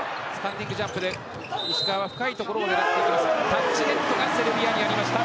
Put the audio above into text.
タッチネットがセルビアにありました。